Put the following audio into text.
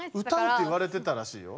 「歌う」って言われてたらしいよ。